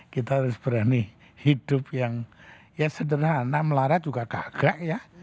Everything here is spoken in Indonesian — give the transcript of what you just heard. kita harus berani hidup yang ya sederhana melara juga gagak ya